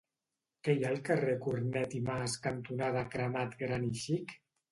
Què hi ha al carrer Cornet i Mas cantonada Cremat Gran i Xic?